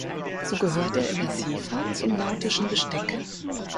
So gehört er in der Seefahrt zum Nautischen Besteck.